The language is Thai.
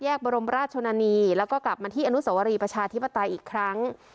บรมราชชนนานีแล้วก็กลับมาที่อนุสวรีประชาธิปไตยอีกครั้ง